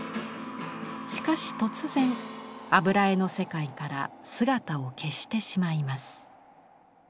しかし突然油絵の世界から姿を消してしまいます。